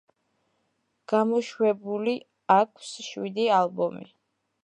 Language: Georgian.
გამოშვებული აქვს შვიდი ალბომი.